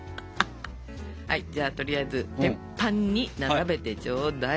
はいじゃあとりあえず天板に並べてちょうだい。